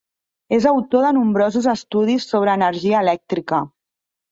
És autor de nombrosos estudis sobre energia elèctrica.